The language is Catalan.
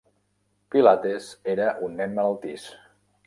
Pilates era un nen malaltís.